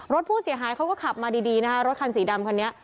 รถผู้เสียหายเขาก็ขับมาดีนะคะรถคันสีดำคันนี้